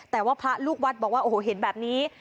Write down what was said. แต่ว่าพระลูกวัดบอกว่าโอ้โหเห็นแบบนี้